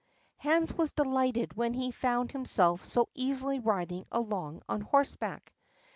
'" Hans was delighted when he found himself so easily riding along on horseback.